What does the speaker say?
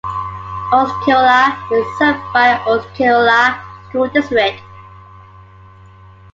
Osceola is served by the Osceola School District.